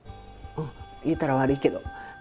言うたら悪いけど。